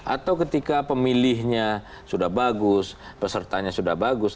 atau ketika pemilihnya sudah bagus pesertanya sudah bagus